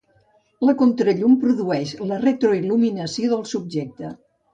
La contrallum produeix la retroil·luminació del subjecte.